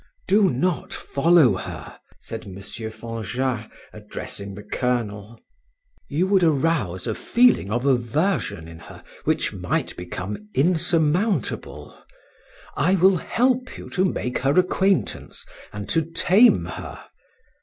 "Do not follow her," said M. Fanjat, addressing the colonel. "You would arouse a feeling of aversion in her which might become insurmountable; I will help you to make her acquaintance and to tame her.